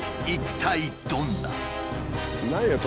一体どんな？